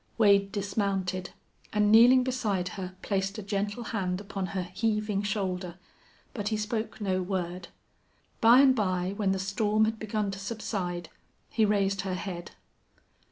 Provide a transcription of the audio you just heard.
Wade dismounted and, kneeling beside her, placed a gentle hand upon her heaving shoulder, but he spoke no word. By and by, when the storm had begun to subside, he raised her head.